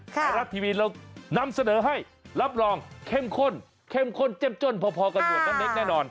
ไทยรัฐทีวีเรานำเสนอให้รับรองเข้มข้นเข้มข้นเจ้มจ้นพอกับหมวดน้ำเล็กแน่นอน